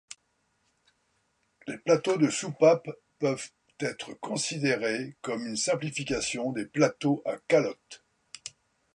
Les plateaux de soupape peuvent être considérés comme une simplification des plateaux à calottes.